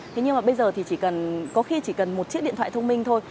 thế nhưng mà bây giờ thì chỉ cần có khi chỉ cần một chiếc điện thoại thông minh thôi